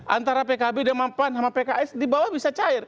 antara pkb dengan pan sama pks di bawah bisa cair